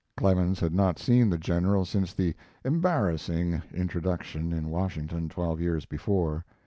Clemens had not seen the General since the "embarrassing" introduction in Washington, twelve years before.